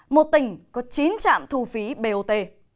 một tỉnh có chín trạm thu phí bot